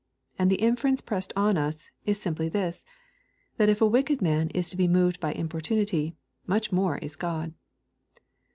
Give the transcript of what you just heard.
And the inference pressed on us, is simply this, that if a wicked_maa is to be moved by im portunity, much more is God.